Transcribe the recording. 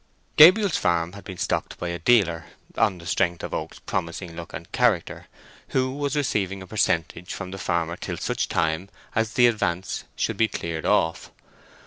Gabriel's farm had been stocked by a dealer—on the strength of Oak's promising look and character—who was receiving a percentage from the farmer till such time as the advance should be cleared off.